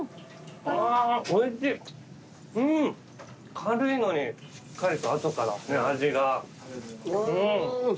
軽いのにしっかりと後から味がうん。